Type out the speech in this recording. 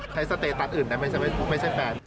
ใครสเตตัสอื่นไม่ใช่แฟน